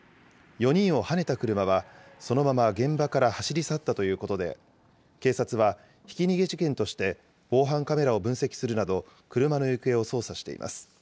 ４人をはねた車はそのまま現場から走り去ったということで、警察はひき逃げ事件として、防犯カメラを分析するなど、車の行方を捜査しています。